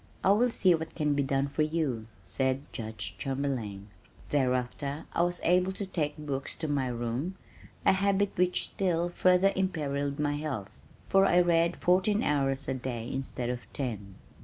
"I will see what can be done for you," said Judge Chamberlain. Thereafter I was able to take books to my room, a habit which still further imperilled my health, for I read fourteen hours a day instead of ten.